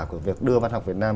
của việc đưa văn học việt nam